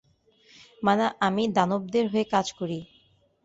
মানে আমি দানবদের হয়ে কাজ করি।